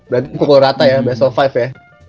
berarti kok rata ya best of lima ya